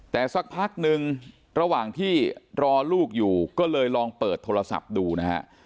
แต่สักพักนึงระหว่างที่รอลูกอยู่ก็เลยลองเปิดโทรศัพท์ดูนะฮะ